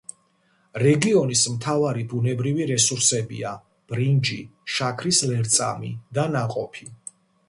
რეგიონის მთავარი ბუნებრივი რესურსებია: ბრინჯი, შაქრის ლერწამი და ნაყოფი.